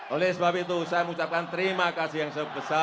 oleh sebab itu saya mengucapkan terima kasih yang sebesar besarnya